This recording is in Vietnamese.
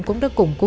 cũng đã củng cú